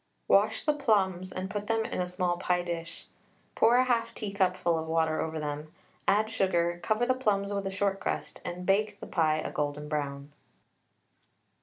Wash the plums and put them in a small pie dish, pour 1/2 teacupful of water over them, add sugar, cover the plums with a short crust, and bake the pie a golden brown.